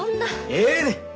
ええねん！